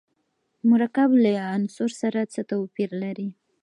مرکب له عنصر سره څه توپیر لري.